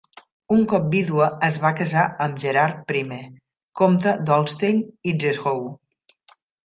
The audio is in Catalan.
Un cop vídua es va casar amb Gerhard I, comte d'Holstein-Itzehoe.